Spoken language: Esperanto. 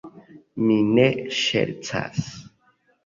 Mi ne ŝercas.